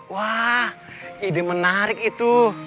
wah ide menarik itu